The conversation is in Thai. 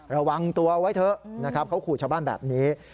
ระวังตัวไว้เถอะนะครับเขาขู่ชาวบ้านแบบนี้